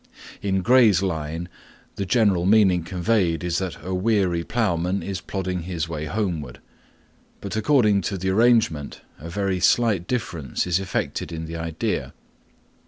In Gray's line the general meaning conveyed is that a weary ploughman is plodding his way homeward, but according to the arrangement a very slight difference is effected in the idea.